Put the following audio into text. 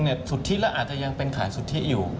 จริงสุดที่ละอาจจะยังเป็นขายสุดที่อยู่